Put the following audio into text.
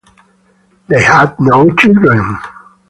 They had no children.